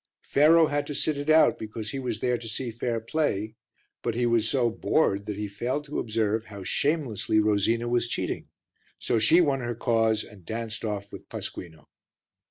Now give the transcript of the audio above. Pharaoh had to sit it out because he was there to see fair play, but he was so bored that he failed to observe how shamelessly Rosina was cheating; so she won her cause and danced off with Pasquino.